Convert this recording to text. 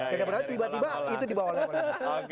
tiba tiba itu dibawalah